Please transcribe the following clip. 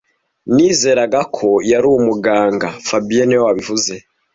Nizeraga ko yari umuganga fabien niwe wabivuze